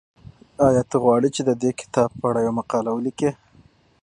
ایا ته غواړې چې د دې کتاب په اړه یوه مقاله ولیکې؟